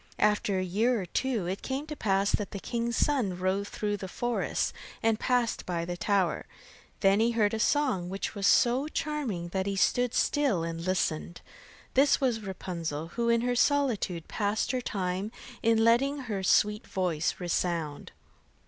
After a year or two, it came to pass that the king's son rode through the forest and passed by the tower. Then he heard a song, which was so charming that he stood still and listened. This was Rapunzel, who in her solitude passed her time in letting her sweet voice resound.